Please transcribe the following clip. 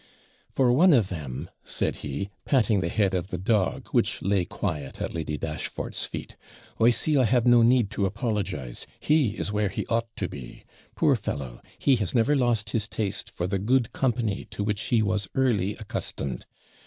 'For one of them,' said he, patting the head of the dog, which lay quiet at Lady Dashfort's feet, 'I see I have no need to apologise; he is where he ought to be. Poor fellow! he has never lost his taste for the good company to which he was early accustomed.